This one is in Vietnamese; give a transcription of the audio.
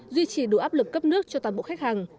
duy trì đủ áp lực cấp nước cho toàn bộ khách hàng